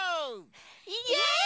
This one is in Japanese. イエーイ！